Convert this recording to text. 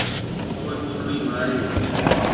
او چونڙَي مهاريَ هيَ؟